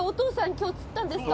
今日釣ったんですか？